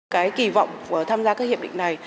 cái kì vọng tham gia các hiệp định này